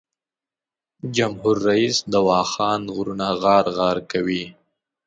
جمهور رییس د واخان غرونه غار غار کوي.